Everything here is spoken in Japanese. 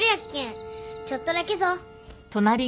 ちょっとだけぞ。